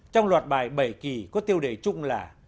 trong loạt bài bảy kỳ có tiêu đề chung là